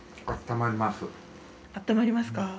あったまりますか。